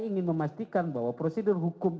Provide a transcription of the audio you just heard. ingin memastikan bahwa prosedur hukum